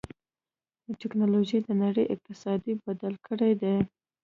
ټکنالوجي د نړۍ اقتصاد بدل کړی دی.